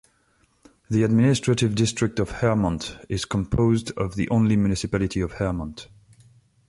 The administrative district of Ermont is composed of the only municipality of Ermont.